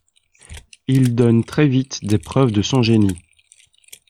Il donne très vite des preuves de son génie.